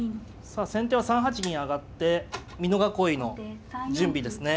さあ先手は３八銀上がって美濃囲いの準備ですね。